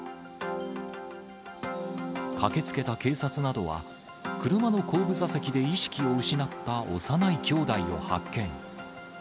駆けつけた警察などは、車の後部座席で意識を失った幼い姉弟を発見。